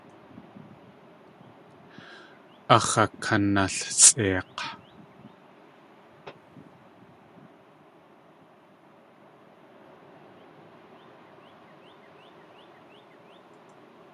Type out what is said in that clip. Áx̲ akanalsʼeik̲!